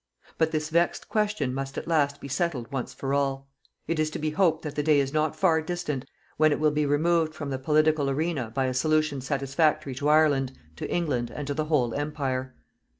But this vexed question must at last be settled once for all. It is to be hoped that the day is not far distant when it will be removed from the political arena by a solution satisfactory to Ireland, to England and to the whole Empire.